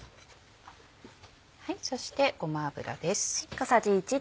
そしてごま油です。